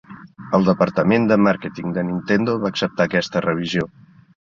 El departament de màrqueting de Nintendo va acceptar aquesta revisió.